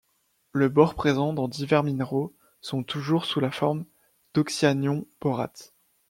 Le bore présent dans divers minéraux est toujours sous la forme d'oxyanion borate.